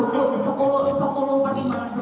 sepuluh sepuluh lima belas sepuluh kan tadi kan